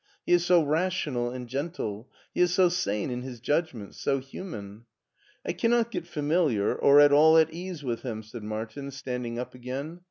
He is so rational and gentle. He is so sane in his judgments, so human." " I cannot get familiar or at all at ease with him,*' said Martin, standing up again.